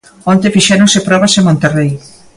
Onte fixéronse probas en Monterrei.